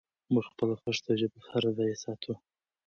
موږ خپله پښتو ژبه په هره بیه ساتو.